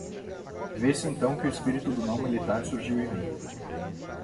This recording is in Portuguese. Vê-se então que o espírito do não-militar surgiu em mim.